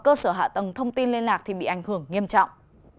cơ sở hạ tầng hư hỏng và cơ sở hạ tầng thông tin liên lạc bị ảnh hưởng nghiêm trọng